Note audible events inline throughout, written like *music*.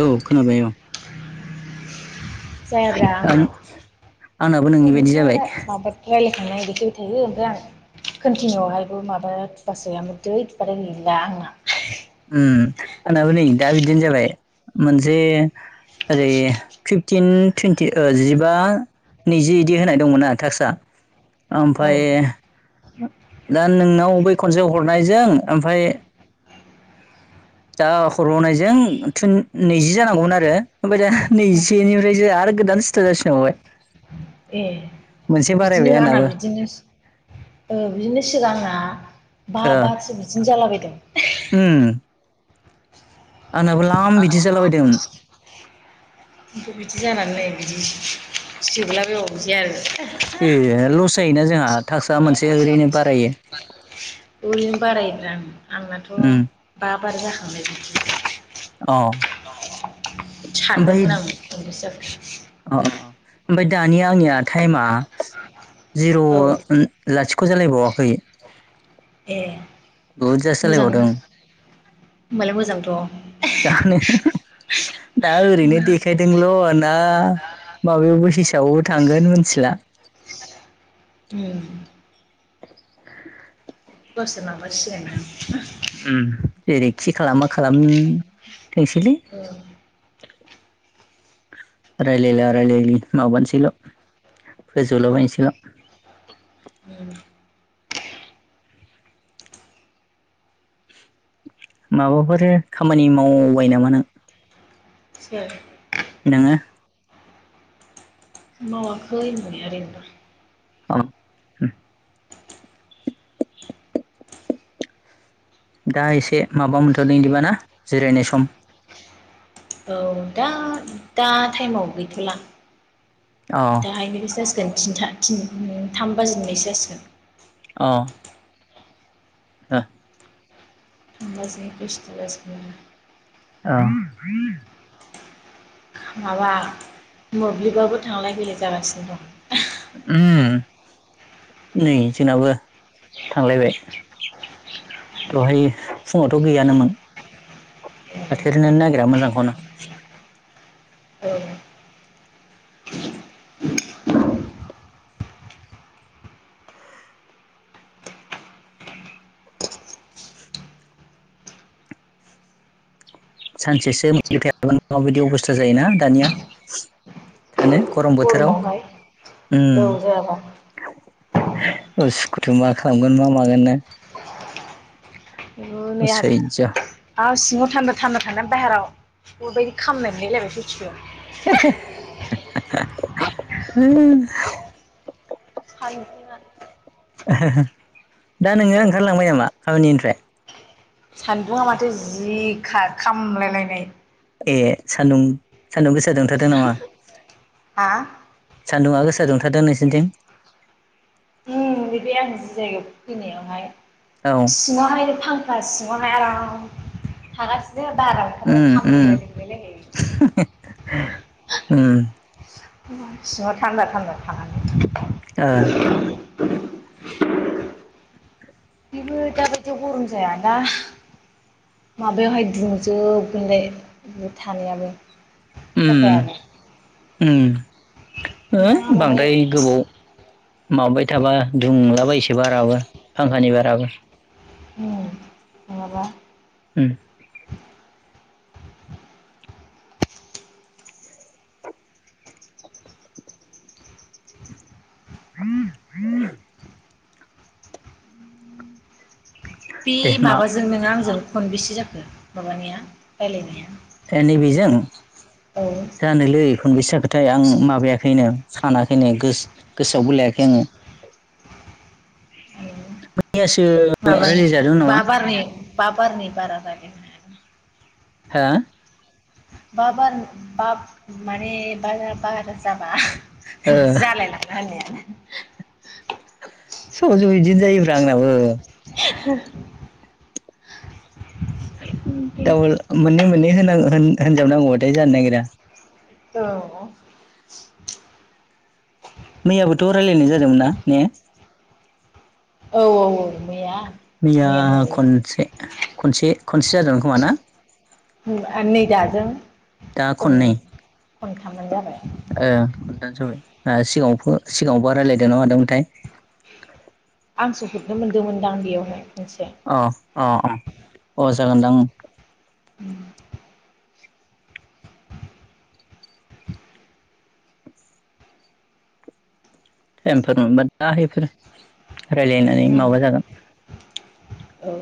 औ खोनाबाय औ। जायाब्रा आं आंना आंनाबो नोंनि बायदि थेवबोथाय जाबाय माबादो राय- थांनाय दिउतियाव थायो ओमफ्राय आं कन्टिनिउआवहायबो माबा थुयासै आं जै थुबाथाय गैला आंना उम आंनाबो नै दा बिदिनो जाबाय मोनसे ओरै फिफटिन टुइन्टि ओ जिबा नैजि इदि होनाय दंमोन आरो टास्कआ औ ओमफाय दा नोंनाव बै खनसे हरनायजों ओमफाय दा हरबावनायजों तुन नैजि जानांगौमोन आरो। ओमफ्राय दा नैजिसेनिफ्रायसो आरो गोदान स्टार्ट जाफिन बावबाय। ए बिदिनो आंना आंनाबो बिदिनो ओ बिदिनो सिगां आंना बा ओ बारसो बिदिनो जालाबायदों। उम आंनाबो लाम बिदि जालाबायदोंमोन। खिन्थु बिदि जानानै नै बिदि जोबला बायबावो। ए लस जायोना जोंहा टास्कआ मोनसे ओरैनो बारायो। बिदिनो बारायोब्रा आंनाथ' उम बा बार जाखांनाय। औ। सानदोंमोन आं खनबैसे जाखो ओमफाय दानि आंनिया टाइमा जिर' औ लाथि- ख' जालायबावाखै ए बुदजा सोलायबावदों। होमबालाय मोजांथ'। जानो दा ओरैनो देखायदोंल' ना माबायावबो हिसाबावबो थांगोन मोनथिला! उम बोसोर नांबा सिनायगोन दां उम जेरैखि खालामा खालाम थोंसैलै। औ रायलायला-रायलायलि माबानोसैल' फोजोबलाबायनोसैल'। उम माबाफोर खामानि मावबाय नामा नों? सोर? नोङो मावाखै होनबायना ओरैनो दं। अ दा एसे माबा मोनथ'दों इदिबा ना जिरायनाय सम औ दा दा टाइमाव गैथ'ला अ दाहायनिफायसो जासिगोन टिनथा टिन ओ थाम बाजिनिफ्रायसो जासिगोन। अ *unintelligible* *unintelligible* औ माबा मोब्लिबाबो थांलाय फैलाय जागासिनो दं। उम नै जोंनाबो थांलायबाय दहाय फुङावथ' गैयानोमोन थाथेरनो नागिरा मोजांखौनो औ सानसेसो मोनफाया बानो माबायदि अबस्था जायोना दानिया थानो गरम बोथोराव गरमावहाय औ जायाबा उसुखुथु मा खालामगोन मा मागोन नो। बो नै आस आ सिङाव थान्दा-थान्दा थांना बाहेराव उदैनि खामनाय मोनलायलायबाय सयथिबो *unintelligible* *unintelligible* दा नोङो ओंखारलांबाय नामा खामानिनिफ्राय सान्दुङाआ माथो जि खा खामलाय लायनाय ए सान्दुं-सान्दुं गोसा दुंथारदो नामा हा सान्दुङा गोसा दुंथाराद नोंसोरनिथिं उम बे आं जि जायगायाव फैनायावहाय औ सिङावहाय फांखा सिं ङाव हाय आराम थागासिनो दा साहेबराव ओंखारबाय उम उम खामग्लिनाय मोनलायलायनाय। उम कमपानि सिङाव थान्दा-थान्दा थानानै द ओ बिबो दााबायदियाव गरम जायाना माबायावहाय दुंजोबोनालाय बे थानायाबो उम खथायानो उम ओ दा माने बांद्राय गोबाव माबाबाय थाबा दुंलाबायसो बाराबो फांखानि बाराबो उम नङाबा उम *unintelligible* बे दे मा माबाजों नोंङो आंजों खनबेसे जाखो माबानाया रायलायनाया ए नैबेजों जानोलै खनबेस जाखोथाय आं माबायाखैनो सानाखै ने गोस-गोसोआवबो लायाखै आंङो औ मैयासो माबानि रायलायजादों बा नामा बारनि बा बारनि बारा जागोन हा बा बार बा माने बारा बार जाबा ओ जालाय लांला होननायानो सम-सम बिदिनो जायोब्रा आंनाबो *unintelligible* होननायानो दाबोल मोननै मोननै होन-होननागौ- होनजाबनांगौबाथाय जानो नागिरा औ मैयाबोथ' रायलायनाय जादोंमोन ना ने? औ-औ-औ मैया मैया खनसे-खनसे-खनसे जादोंमोन खोमा ना बुंलाइ आं नै दाजों दा खन खननै खनथामानो जाबाय ओ खनथाम जाबाय ओ सिगाङाव-सिगाङावबो रायलायदोंना मादोंमोनथाय आांसो हरनो मोन्दोंमोनदांं बेयावहाय खनसे अ अ अ अ जागोनदां उ। *inaudible* टाइमफोर मोनबा दाहायफोर रायलायनानै माबा जागोन। औ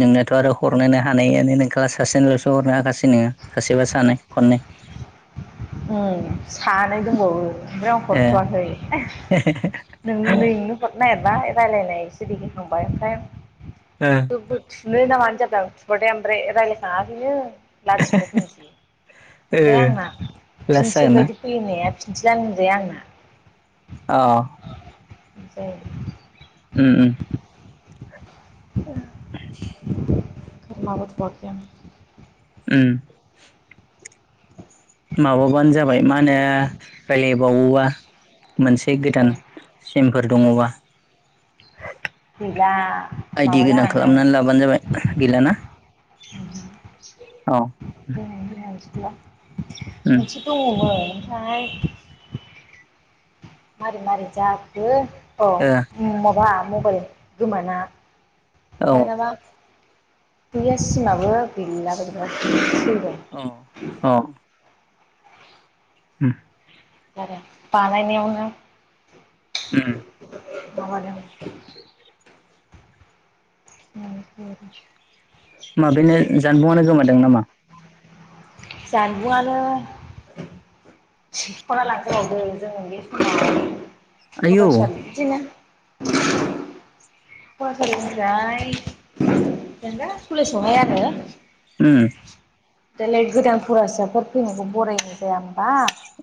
नोंनाथ' आरो हरनोनो हानायानो नोंखाला सासेनिल'सो हरनो हाखासै नोङो। *inaudible* उ सानै दंबावो ओमफ्राय आं ओ हरथ'वाखै। नों नोंनो हरनाय ओ *unintelligible* थुनो ना मानो जाबाय आं थुबाथाय आमफ्राय रायलायखाङाखैनो। लाथिख' बे ओ आंना लास फिनसिल जागोनना बायदि फैयोनै। *unintelligible* आंना। औ। जायो उ उ। *unintelligible* उम। माबाबानो जाबाय मा होनो रायलायबावोबा मोनसे गोदान ए सिमफोर दङबा। गैला आइदि माबा गोदान जानानै खालामनानै लाबानो जाबाय गैलाना? औ। उम मोनसे दङमोन ओमफ्राय मारै मारै जाखो औ ओ माबा मबाइल गोमाना औ दानाबा गैया सिमाबो गैला बोरैबा औ औ। उम। *unintelligible* बानायनायावनो। उम। *unintelligible* *inaudible* *unintelligible* माबेनो जानबुङानो गोमादों नामा? जानबुंआनो सिखना लांजाबावदों जों बे आयौ समाव *unintelligible* *inaudible* फरायसालि निफ्राय जेनबा कलेज आवगाय आरो उम। दालाय गोदान फरायासाफोर फैनायखौ बरायनाय जाया होमबा?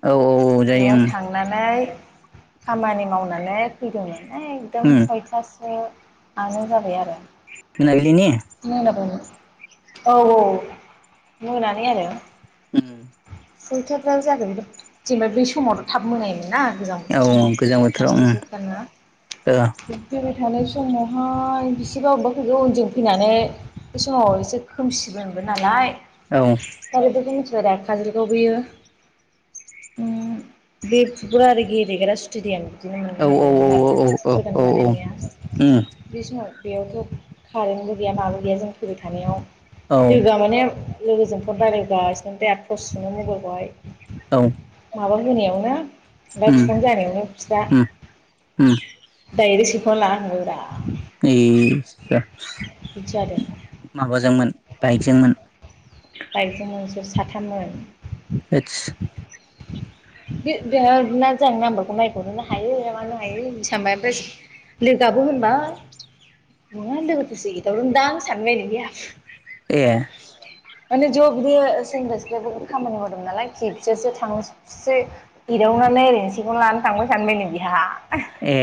औ औ जायो बेवहाय उम थांनानै खामानि मावनानै फैदोंमोन। एकदम उम सयथासो आनो जाबाय मोनाबिलिनि आरो। *unintelligible* औ औ मोनानि आरो। उ। सयथा थार जादोमोन बे जेनेबा बै समाव थाब मोनायोमोन ना। गोजां औ बोथोर समाव गोजां बोथोराव उम खसथ' जाथारोना औ बेबाय थानाय समावहाय बिसोबा अबेबाफोर उनजों फैनानै बे समाव एसे खोमसिबो मोनबो नालाय। काजलगांव खौ मिनथिबायदा काजलगांव बियो। उ बे *unintelligible* गेलेग्रा स्टेडियाम। बिदिनो नुनो मोनबायमोन आरो औ गोदान बानायनाया बे समाव बेयावथ' कारेन्टबो गैया माबो गैया जों फैबाय थानायाव औ दोगोआ माने लोगोजों फनरायलायबोगासिनो आमफाय आहा टर्स सुनो मबाइलखौहाय औ। माबा होनायावनो मा थफन जानायावनो फिा दायरेक्ट स खौला लानाथांदोंरा ए बिदि जादों माबाजोंमोन बाइकजोंमोन बाइकजोंङो इसोर साथाममोन आस बे जों नाम्बारखौ नायहरनोनो हायो मानो हायो बे सानबाय लोगोयाबो होनबाय नङा लोगोफोरस एदावदों दां आं सानबाय न गैया ए माने ज' बिदि सेग्रा सिख्लाफोर खामानि मावदों नालाय खि बिसोरसो थांसो एदावनानै ओरैनो सिखौनो लानो थांबाय सानबाय न बिहा ए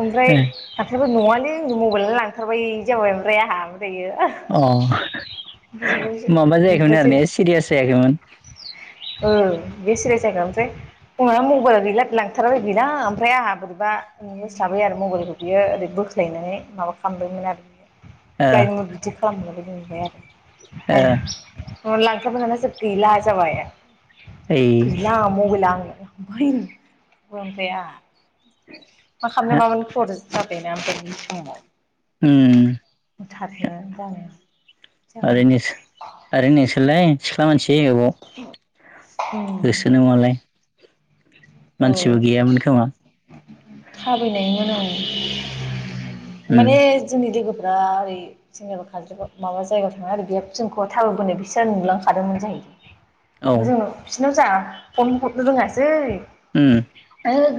ओमफ्राय फाथाबबो नङा माने जनि मबाइलनो लांथारबाय जाबाय मफ्राय आहा अ माबा जायाखैमोन आरो ओमफ्रायसो ने सिरियास जायाखैमोन ओ बे सिरियास जायाखैनोसै उनना मबाइल गैला लांथाराबो गैलाां ओमफ्राय आंहा बोरैबा ननो थाबो आरो मबाइलखौ बियोओरै बोख्लायनानै माबा खालामबायमोन आरो बि ओ प्लाइमद बिदि खालामनानै मोनबाय ओ आरो लांखाबाय जोब गैला जाबाय ओइ गैला मबाइला आं बै बुंंथायाया मा खालामनो माबानो खर' जाबायना ओमफ्राय बिनि समाव उम थाबनो जानायाव जाबाय आरो ओरैनो ओै नोंसोरलाय सिख्ला मानसि गोबाव उम होसोनोमालाय औ मानसिबो गैयामोन खोमा थाबायनायमोन आं उम माने जोंनि लोगोफोर दा ओरै जोंनिबा खमाबा जायगायाव थाङा आरो बे जोंखौ थार बोनो बिसोर नुलांखादोंमोन जाहै औ ओमफ्राय जोंनाव बिसिरनाव जा फन हरनो रोङासै उम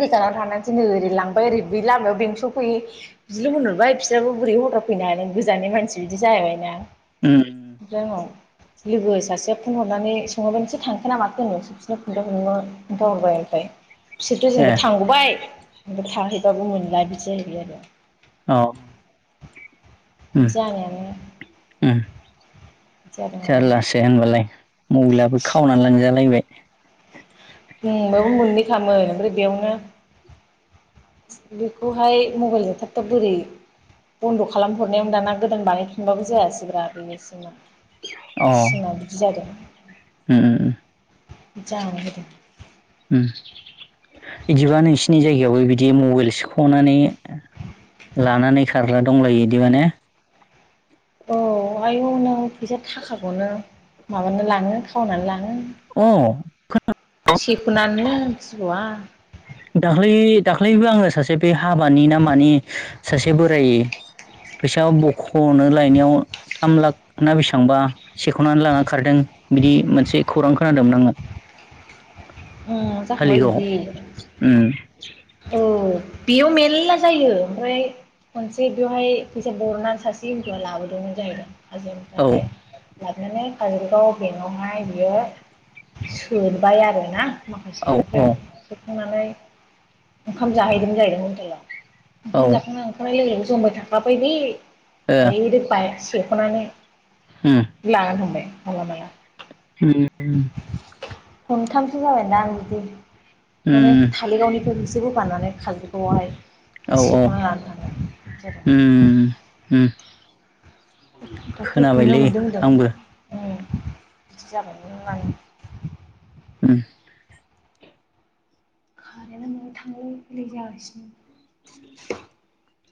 जाना थानानै दिनै ओरै लांबायओरै लामायाव बेंसआव फैयो बिदिल' होनहरबाय बिसोराबो बोरै हरा फैनाय गोजाननि मानसि बिदि जाहैबायना उम उनाव लोगो सासेया फन हरनानै सोंहरबाय नोंसोर थांखोना माखो नों बि बिसोरनो खोनथाहरबाय हरनो खिथाहरबाय ओमफ्राय बिसोरथ' ए जेनेबा थांगबाय थाहैबाबो मोनला बिदि जाहैबाय आरो औ ओम बिदि जानायानो बिदि ओम जादों आरो जारलासो होनबालाय मबाइलाबो खावनानै लांजालायबाय ओम बेबो मोननै खामोन ओमफ्राय बेयावनो बेखौहाय मबाइल जाथारथा बोरै बन्द' खालामहरनायाव दाना गोदान बानायफिनबाबो जायासैगब्रा बेनोसैमा सिम बिदि जादों ओम जालांदों ओम बिदिबा नोंसिनि जायगायावबो बिदि मबाइल सख'नानै लानानै खारग्रा दंलायो बिदि माने औ आयौ नों फैसा थाखाखौनो माबानानै लाङो खावनानै लाङो अ दुखुनानैनो फिग *inaudible* दाख्लै दाख्लैबो आङो सासे बे हाबानि ना मानि सासे बोरायो। फैसा बख'नो लायनायाव थाम लाख ना बेसेबांबा सेख'नानै लाना खारदों। बिदि मोनसे खौरां खोनादोंमोन आङो। उम जाखांबाय धालिगावआव बिदि उम। औ बेयाव मेरला जायो ओमफ्राय खनसे बेवहाय फैसा बरनानै सासे हिन्जावआ लाबोदोंमोन जाहैदों हाजो औ ओमफ्रायहाय लाबोनानै काजलगाव बेंकआवहाय बियो सोबाय आरोना औ माखासे *unintelligible* सोखांनानै ओंखाम जाहैदोंमोन जाहैदों हटेलाव औ ओंखाम ओ जाखांना ओंखारनाय लोगोआव जमबाय थाखाबाय बे डाइरेक्ट बायक सेख'नानै लानानै थांबाय माला माला। होम। खनथामसो जाबायना आं बिदि माने उम काजलगावनिफ्राय बेख रोगानानै खारग्रायाहाय औ औ सेख'ना लाना थांदों बिदि जादों। उम उम दाखालि हमनो खोनाबायलै मोनदों होनदों आंबो औ। बिदि जाबाय *unintelligible* उम। कारेन्टा नोङो थांलाय फैलाय जागासिनो।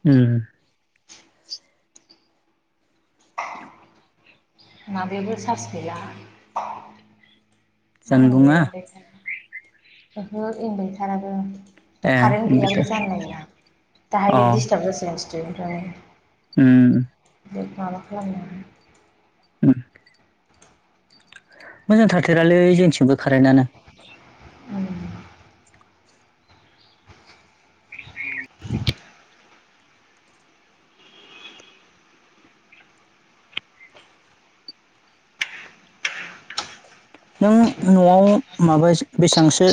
उम। ना बेबो सार्स गैया। मा जानबुङा होनोमोनलाय ओहो इनभारथाराबो। ए कारेन्ट गैयाबो कम्पिउटार जानो ना दाहाय डिस्टार्ब जासिगोन ष्टुडेण्टफ्राबो। होम। बि माबा खालामनो उम। मोजां थाथेरालै जोंथिंबो कारेन्टनो। *unintelligible* *inaudible* नों न'आव माबा बेसांसो